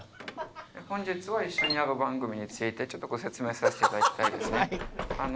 本日は一緒にやる番組についてちょっとご説明させて頂きたいですね。